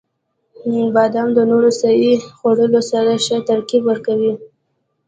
• بادام د نورو صحي خوړو سره ښه ترکیب ورکوي.